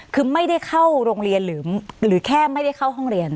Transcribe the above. คือไม่ได้เข้าโรงเรียนหรือแค่ไม่ได้เข้าห้องเรียน